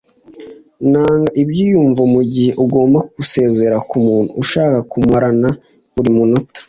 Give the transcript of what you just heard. nanga ibyiyumvo mugihe ugomba gusezera kumuntu ushaka kumarana buri munota